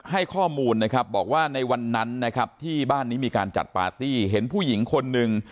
ให้ข้อมูลนะครับบอกว่าในวันนั้นนะครับที่บ้านนี้มีการจัดปาร์ตี้เห็นผู้หญิงคนหนึ่ง